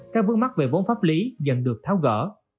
các vướng mắt về vốn pháp lý dần được tháo gỡ